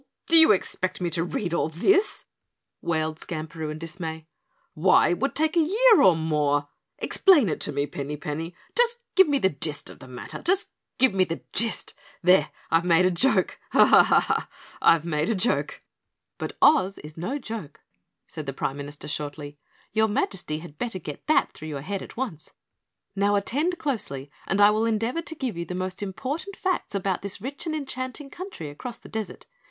Do you expect me to read all this?" wailed Skamperoo in dismay. "Why, it would take a year or more. Explain it to me, Pinny Penny. Just give me the gist of the matter. Just give me the gist there, I've made a joke. Ha! ha! ha! I've made a joke." "But Oz is no joke," said the Prime Minister shortly, "your Majesty had better get that through your head at once. Now attend closely and I will endeavor to give you the most important facts about this rich and enchanting country across the desert.